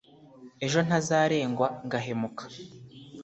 ejo ntazarengwa ngahemuka